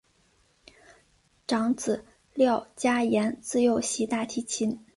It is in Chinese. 长子廖嘉言自幼习大提琴。